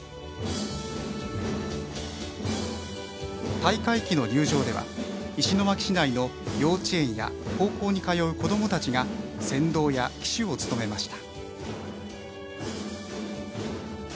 大会旗の入場では、石巻市内の幼稚園や高校に通う子どもたちが先導や旗手を務めました。